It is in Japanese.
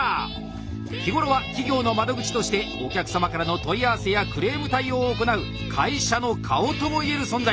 日頃は企業の窓口としてお客様からの問い合わせやクレーム対応を行う会社の顔とも言える存在。